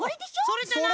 それじゃない。